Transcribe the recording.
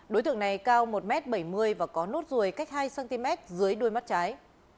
đối tượng này cao một m bảy mươi và có nốt ruồi cách hai cm dưới đuôi mắt trái